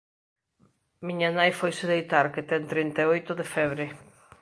Miña nai foise deitar que ten trinta e oito de febre.